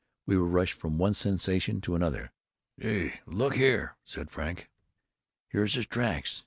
We were rushed from one sensation to another. "Gee! look here," said Frank; "here's his tracks.